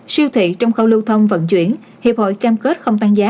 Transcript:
siêu thị trong khâu lưu thông vận chuyển hiệp hội cam kết không tăng giá